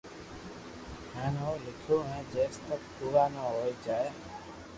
ھين ھون ليکون جيس تڪ پورا نہ ھوئي جائي